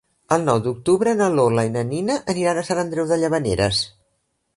El nou d'octubre na Lola i na Nina aniran a Sant Andreu de Llavaneres.